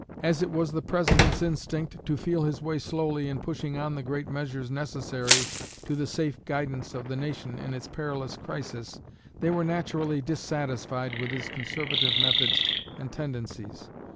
As it was the President's instinct to feel his way slowly in pushing on the great measures necessary to the safe guidance of the nation in its perilous crisis, they were naturally dissatisfied with his conservative methods and tendencies.